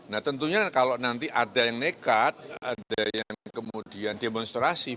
nah tentunya kalau nanti ada yang nekat ada yang kemudian demonstrasi